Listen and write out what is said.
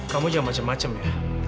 kamu juga macem macem ya